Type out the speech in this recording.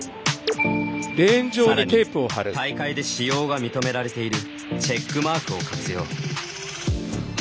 さらに大会で使用が認められているチェックマークを活用。